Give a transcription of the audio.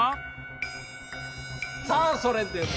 さあそれでは。